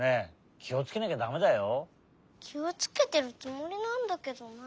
きをつけてるつもりなんだけどなあ。